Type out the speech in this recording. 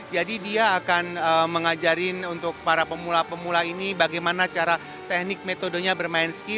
jadi dia akan mengajarin untuk para pemula pemula ini bagaimana cara teknik metodenya bermain ski